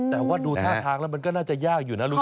แต่ว่าดูท่าทางแล้วมันก็น่าจะยากอยู่นะลุง